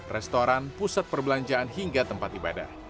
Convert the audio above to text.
restoran pusat perbelanjaan hingga tempat ibadah